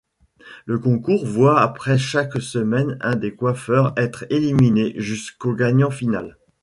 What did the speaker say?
Le concours voit après chaque semaine un des coiffeurs être éliminé jusqu'au gagnant final.